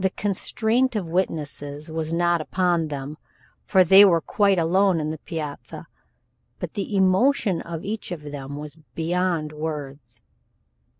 The constraint of witnesses was not upon them, for they were quite alone on the piazza, but the emotion of each of them was beyond words.